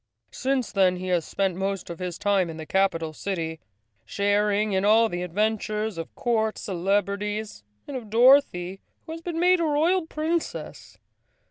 Since then he has spent most of his time in the capital city, sharing in all the adventures of court celebrities, and of Dorothy, who has been made a Royal Princess.